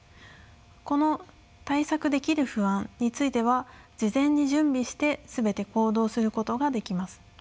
この対策できる不安については事前に準備して全て行動することができます。